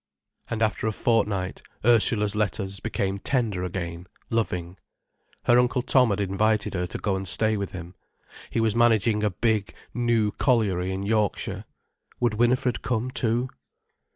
And after a fortnight, Ursula's letters became tender again, loving. Her Uncle Tom had invited her to go and stay with him. He was managing a big, new colliery in Yorkshire. Would Winifred come too?